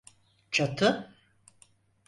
Çatı!